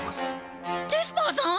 デスパーさん？